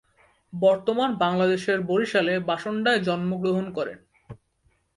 বর্তমান বাংলাদেশের বরিশালে বাসন্ডায় জন্ম গ্রহণ করেন।